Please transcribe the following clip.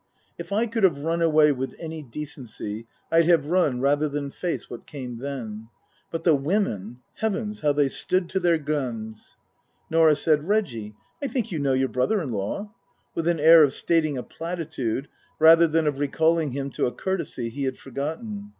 If I could have run away with any decency I'd have run rather than face what came then. But the women Heavens, how they stood to their guns ! Norah said, " Reggie, I think you know your brother in law ?" with an air of stating a platitude rather than of recalling him to a courtesy he had forgotten.